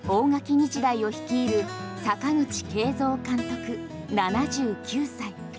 日大を率いる阪口慶三監督、７９歳。